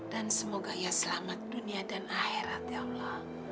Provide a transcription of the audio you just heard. dan semoga ia selamat dunia dan akhirat ya allah